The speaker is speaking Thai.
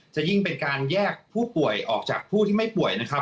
จะยิ่งเป็นการแยกผู้ป่วยออกจากผู้ที่ไม่ป่วยนะครับ